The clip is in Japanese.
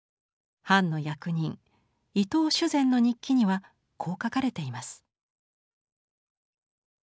藩の役人伊藤主膳の日記にはこう書かれています。